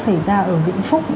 xảy ra ở vĩnh phúc